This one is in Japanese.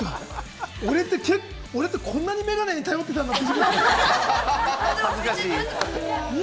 俺って、こんなに眼鏡に頼ってたんだって。